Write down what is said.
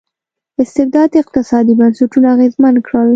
استبداد اقتصادي بنسټونه اغېزمن کړل.